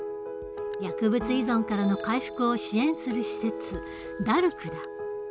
薬物依存からの回復を支援する施設ＤＡＲＣだ。